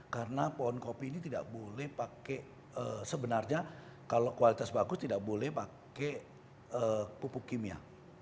karena pohon kopi ini tidak boleh pakai sebenarnya kalau kualitas bagus tidak boleh pakai pupuk kimia